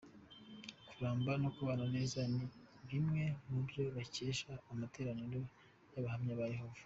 Kuramba no kubana neza ni bimwe mu byo bakesha amateraniro y’ abahamya ba Yehova .